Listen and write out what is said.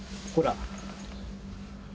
ほら。